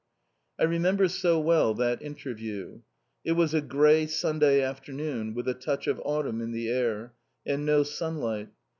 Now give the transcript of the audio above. I remember so well that interview. It was a grey Sunday afternoon, with a touch of autumn in the air, and no sunlight.